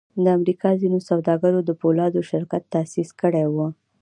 د امریکا ځینو سوداګرو د پولادو شرکت تاسیس کړی و